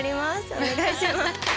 お願いします。